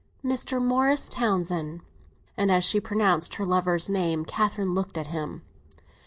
"Mr. Morris Townsend." And as she pronounced her lover's name, Catherine looked at him.